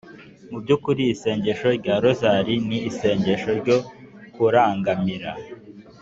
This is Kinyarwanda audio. mu by’ ukuri isengesho rya rozari ni isengesho ryo kurangamira